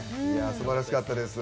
すばらしかったです。